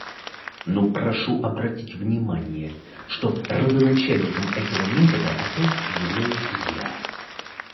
Но прошу обратить внимание, что родоначальником этого метода опять являюсь я.